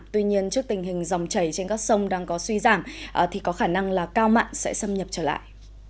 tuy nhiên trước tình hình dòng chảy trên các sông đang có suy giảm thì có khả năng là cao mặn sẽ xâm nhập trở lại